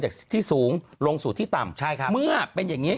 จากที่สูงลงสู่ที่ต่ำเมื่อเป็นอย่างนี้